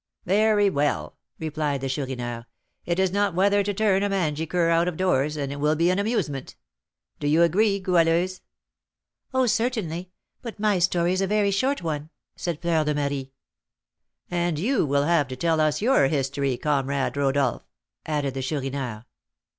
"Very well," replied the Chourineur; "it is not weather to turn a mangy cur out of doors, and it will be an amusement. Do you agree, Goualeuse?" "Oh, certainly; but my story is a very short one," said Fleur de Marie. "And you will have to tell us your history, comrade Rodolph," added the Chourineur.